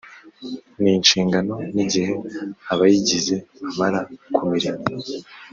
n inshingano n igihe abayigize bamara ku mirimo